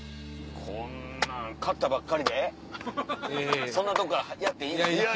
こんなん買ったばかりでそんなとこからやっていいんですか。